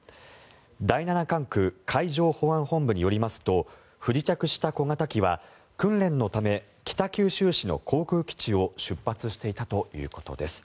第七管区海上保安本部によりますと不時着した小型機は訓練のため北九州市の航空基地を出発していたということです。